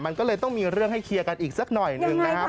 มันก็เลยต้องมีเรื่องให้เคลียร์กันอีกสักหน่อยหนึ่งนะครับ